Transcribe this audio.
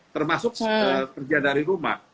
termasuk kerja dari rumah